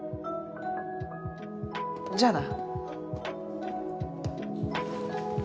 じゃあな。